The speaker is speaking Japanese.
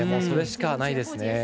それしかないですね。